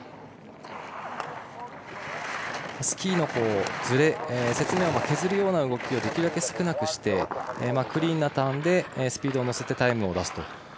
スキーのずれ雪面を削るような動きをできるだけ少なくしてクリーンなターンでスピードを乗せてタイムを出す。